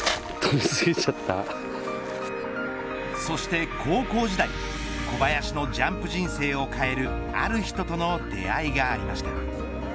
そして、高校時代小林のジャンプ人生を変えるある人との出会いがありました。